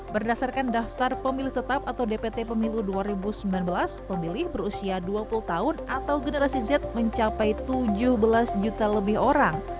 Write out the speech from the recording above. berdasarkan daftar pemilih tetap atau dpt pemilu dua ribu sembilan belas pemilih berusia dua puluh tahun atau generasi z mencapai tujuh belas juta lebih orang